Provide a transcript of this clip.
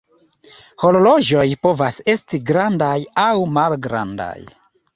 Horloĝoj povas esti grandaj aŭ malgrandaj.